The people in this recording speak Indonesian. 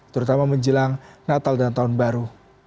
terutama menjelang natal dan tahun baru